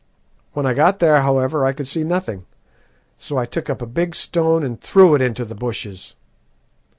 When I got there, however, I could see nothing, so I took up a big stone and threw it into the bushes.